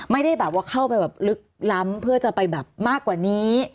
ไม่ได้แบบว่าเข้าไปแบบลึกล้ำเพื่อจะไปแบบมากกว่านี้